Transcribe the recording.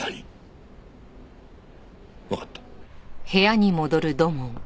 わかった。